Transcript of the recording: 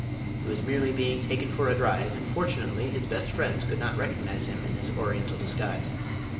He was merely being taken for a drive, and fortunately his best friends could not recognise him in his Oriental disguise.